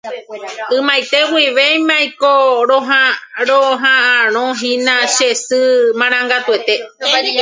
Ymaiteguivémaniko roha'ãrõhína che sy marangatuete